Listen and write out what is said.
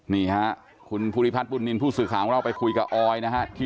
นี่ฮะคุณภูริพัฒนบุญนินทร์ผู้สื่อข่าวของเราไปคุยกับออยนะฮะ